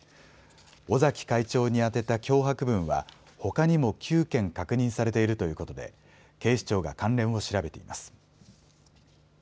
尾崎会長に宛てた脅迫文はほかにも９件確認されているということで警視庁が関連を調べています。